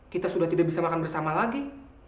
kita sudah tidak bisa makan bersama lagi